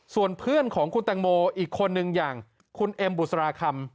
ส่วนเพื่อนของคุณแตงโมอีกคนนึงอย่างคุณเอ็มบุษราคำ